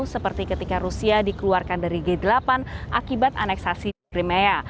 seperti ketika rusia dikeluarkan dari g delapan akibat aneksasi crimea